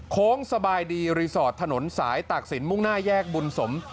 โค้งสบายดีรีสอร์ทถนนสายตากศิลปมุ่งหน้าแยกบุญสม